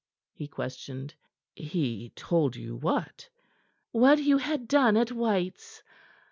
he questioned. "He told you what?" "What you had done at White's.